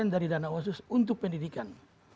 dari dana khusus untuk pendidikan